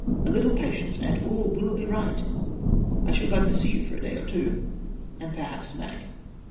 A little patience and all will be right. I should like to see you for a day or two, and perhaps may.